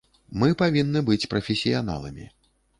Мы павінны быць прафесіяналамі.